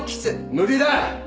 無理だ！